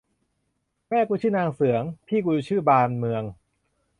แม่กูชื่อนางเสือง พี่กูชื่อบานเมือง